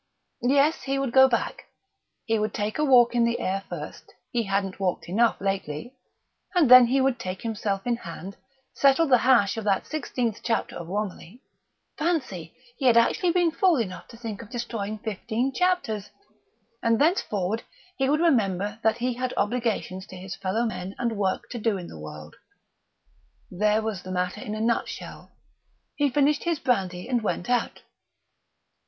Yes, he would go back. He would take a walk in the air first he hadn't walked enough lately and then he would take himself in hand, settle the hash of that sixteenth chapter of Romilly (fancy, he had actually been fool enough to think of destroying fifteen chapters!) and thenceforward he would remember that he had obligations to his fellow men and work to do in the world. There was the matter in a nutshell. He finished his brandy and went out.